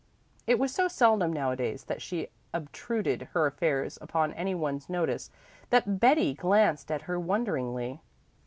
It was so seldom nowadays that she obtruded her affairs upon any one's notice that Betty glanced at her wonderingly.